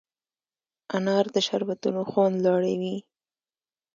انار د شربتونو خوند لوړوي.